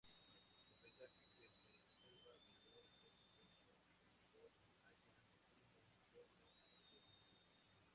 El paisaje que se observa alrededor está compuesto por haya, pino, roble, acebo.